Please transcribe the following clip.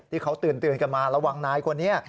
ที่เขาตื่นกันมาระวังนายคนนี้